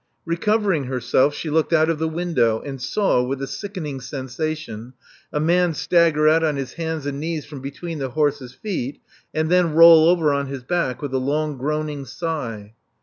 Recovering herself, she looked out of the window, and, saw, with a sickening sensation, a man stagger out on his hands and knees from between the horse's feet, and then roll over on his back with a long groaning sigh.